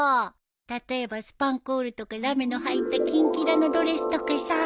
例えばスパンコールとかラメの入ったキンキラのドレスとかさ。